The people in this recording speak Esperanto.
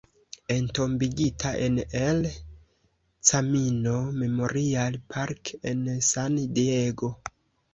Entombigita en "El Camino Memorial Park" en San Diego.